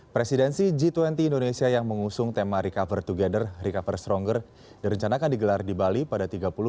presidensi g dua puluh indonesia yang mengusung tema recover together recover stronger direncanakan digelar di bali pada tiga puluh dua